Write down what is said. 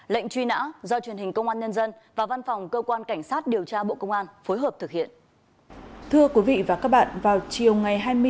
lệnh truy nã do truyền hình công an nhân dân và văn phòng cơ quan cảnh sát điều tra bộ công an phối hợp thực hiện